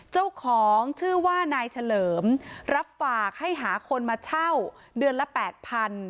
เจ้าของชื่อว่านายเฉลิมรับฝากให้หาคนมาเช่าเดือนละแปดพัน